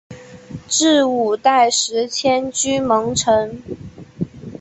至五代时迁居蒙城。